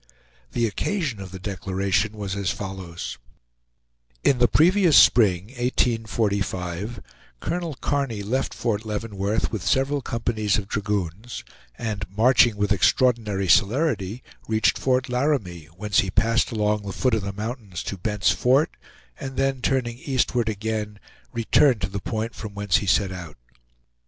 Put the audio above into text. The occasion of the declaration was as follows: In the previous spring, 1845, Colonel Kearny left Fort Leavenworth with several companies of dragoons, and marching with extraordinary celerity reached Fort Laramie, whence he passed along the foot of the mountains to Bent's Fort and then, turning eastward again, returned to the point from whence he set out.